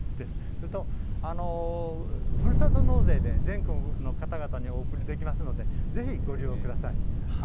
それと、ふるさと納税で全国の方々にお送りできますのでぜひご利用ください。